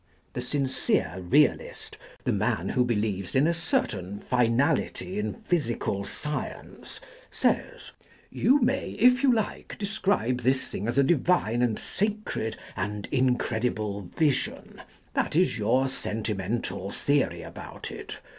The sincere realist, the man who believes in a certain finality in physical science, says, '* You may, if you like, describe this thing as a divine and sacred and incredible vision ; that is your sentimental theory about it.